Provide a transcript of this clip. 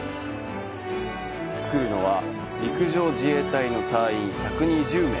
つくるのは陸上自衛隊の隊員１２０名。